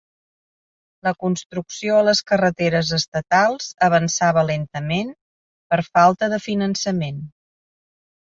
La construcció a les carreteres estatals avançava lentament per falta de finançament.